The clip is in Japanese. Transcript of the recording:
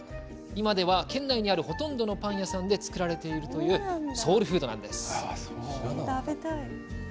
今では県内にあるほとんどのパン屋さんで作られているというソウルフードなんです。